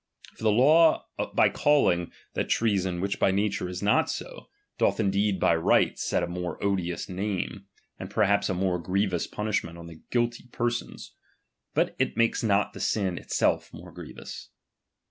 For the law by calling that treason which by nature is not so, doth indeed by right set a more odious name, and perhaps a more grievous punishment on the guilty persons ; but it makes not the sin itself more grievous.